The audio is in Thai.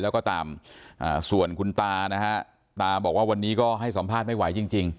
แล้วก็ตามส่วนคุณตานะฮะตาบอกว่าวันนี้ก็ให้สัมภาษณ์ไม่ไหวจริง